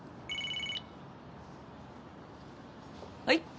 はい。